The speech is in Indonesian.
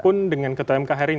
pun dengan ketua mk hari ini